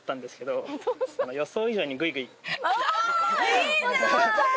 いいじゃん！